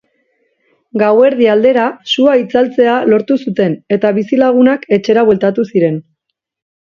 Gauerdi aldera, sua itzaltzea lortu zuten, eta bizilagunak etxera bueltatu ziren.